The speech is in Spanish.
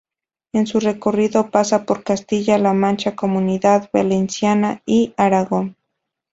En su recorrido pasa por Castilla-La Mancha, Comunidad Valenciana y Aragón.